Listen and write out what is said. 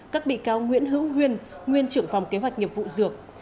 các bị cáo nguyễn hữu huyên nguyên trưởng phòng kế hoạch nghiệp vụ dược